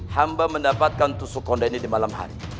hamba mendapatkan tusukonde ini di malam hari